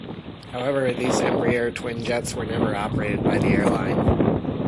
However, these Embraer twin jets were never operated by the airline.